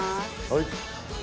はい。